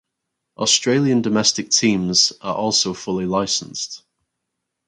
Australian domestic teams are also fully licensed.